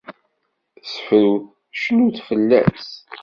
Ssefrut, cnut fell-as.